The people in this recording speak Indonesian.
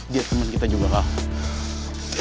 dia temen kita juga kak